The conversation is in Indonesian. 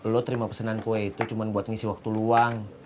lo terima pesanan kue itu cuma buat ngisi waktu luang